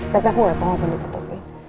tapi aku gak tau apa ditutupi